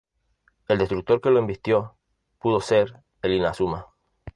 El destructor que le embistió pudo ser el "Inazuma"